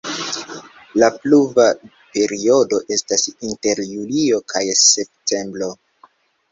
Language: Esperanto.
La pluva periodo estas inter julio kaj septembro.